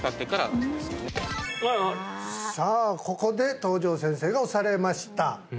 さあここで東條先生が押されました